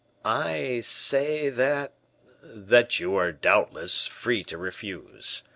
"I say, that " "That you are, doubtless, free to refuse.